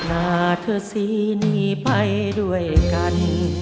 หน้าเธอศีลนี้ไปด้วยกัน